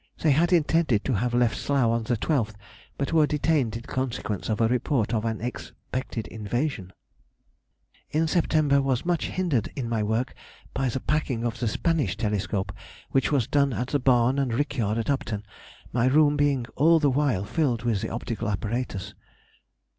They had intended to have left Slough on the 12th, but were detained in consequence of a report of an expected invasion. In September was much hindered in my work by the packing of the Spanish telescope, which was done at the barn and rick yard at Upton, my room being all the while filled with the optical apparatus.